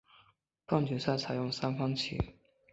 半决赛采用三番棋。